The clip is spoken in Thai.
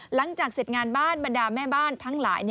หลังจากเสร็จงานบ้านบรรดาแม่บ้านทั้งหลาย